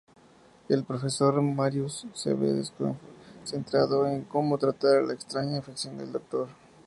El profesor Marius se ve desconcertado en cómo tratar la extraña infección del Doctor.